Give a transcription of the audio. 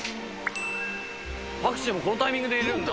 パクチーもこのタイミングで入れるんだ。